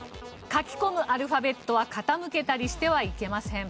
書き込むアルファベットは傾けたりしてはいけません。